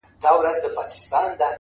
نیت عمل ته اخلاق ورکوي.!